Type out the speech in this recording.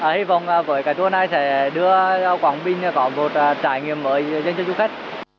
hy vọng với cái tour này sẽ đưa quảng bình có một trải nghiệm mới dành cho du khách